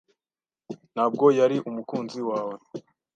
Ntabwo yari umukunzi wawe?